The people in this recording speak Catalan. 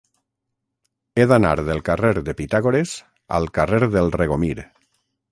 He d'anar del carrer de Pitàgores al carrer del Regomir.